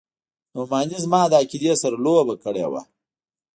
نعماني زما له عقيدې سره لوبه کړې وه.